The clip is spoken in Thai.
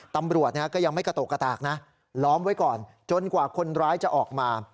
ตำรวจก็ยังไม่กระโตกกระตากนะล้อมไว้ก่อนจนกว่าคนร้ายจะออกมา